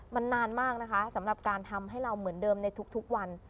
มันนานมากนะคะสำหรับการทำให้เราเหมือนเดิมในทุกวัน